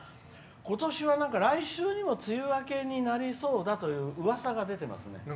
ことしは、来週にも梅雨明けになりそうだとうわさが出てますね。